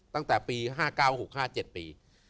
ตั้งแต่ปี๕๙๖๕๗ปี